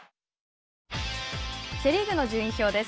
セ・リーグの順位表です。